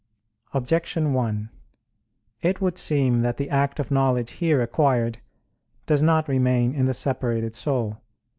Objection 1: It would seem that the act of knowledge here acquired does not remain in the separated soul.